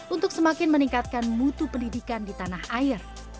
untuk semakin meningkatkan mutu pendidikan di tanah air